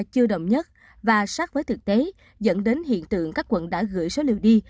chưa động nhất và sát với thực tế dẫn đến hiện tượng các quận đã gửi số liệu đi